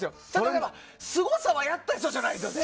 でもすごさはやった人じゃないとね。